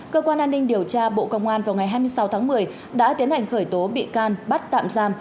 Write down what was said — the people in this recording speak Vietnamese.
cơ quan an ninh điều tra bộ công an vào ngày hai mươi sáu tháng một mươi đã tiến hành khởi tố bị can bắt tạm giam